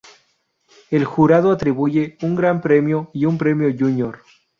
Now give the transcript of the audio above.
El jurado atribuye un gran premio y un premio júnior.